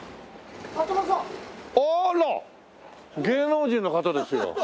芸能人の方ですよ。